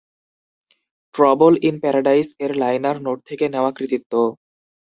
"Trouble in paradise" এর liner note থেকে নেওয়া কৃতিত্ব।